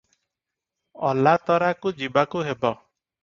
ଅଲାତରାକୁ ଯିବାକୁ ହେବ ।